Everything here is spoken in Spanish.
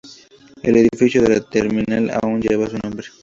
El edificio de la terminal aún lleva su nombre.